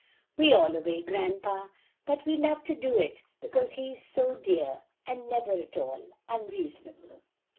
"We all obey grandpa, but we love to do it, because he is so dear and never at all unreasonable."